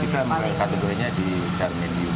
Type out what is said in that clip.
kita menggunakan kategorinya secara medium